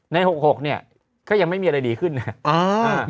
๖๖เนี่ยก็ยังไม่มีอะไรดีขึ้นนะครับ